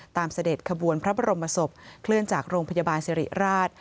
เสด็จขบวนพระบรมศพเคลื่อนจากโรงพยาบาลสิริราช